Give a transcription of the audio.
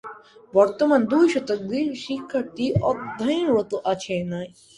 বর্তমানে দুই শতাধিক শিক্ষার্থী অধ্যয়নরত আছে।